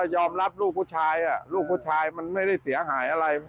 ยอมรับลูกผู้ชายลูกผู้ชายมันไม่ได้เสียหายอะไร